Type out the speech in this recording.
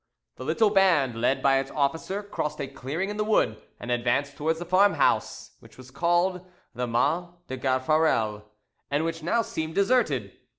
This little band, led by its officer, crossed a clearing in the wood, and advanced towards the farmhouse, which was called the Mas de Gafarel, and which now seemed deserted.